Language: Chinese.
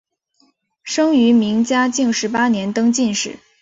生于明嘉靖十八年登进士。